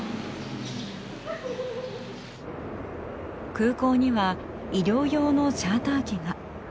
空港には医療用のチャーター機が。